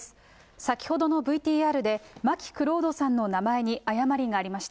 先ほどのＶＴＲで、まきくろうどさんの名前に誤りがありました。